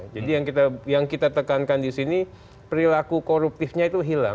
jadi yang kita tekankan di sini perilaku koruptifnya itu hilang